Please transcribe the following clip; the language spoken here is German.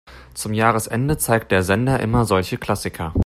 Zum Jahresende zeigt der Sender immer solche Klassiker.